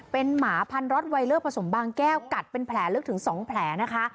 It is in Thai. เป็นหมาพันร็อตไวเลอร์ผสมบางแก้วกัดเป็นแผลลึกถึง๒แผลนะคะ